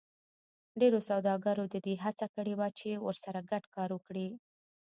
ډېرو سوداګرو د دې هڅه کړې وه چې ورسره ګډ کار وکړي